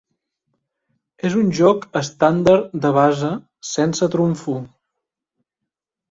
És un joc estàndard de basa sense trumfo.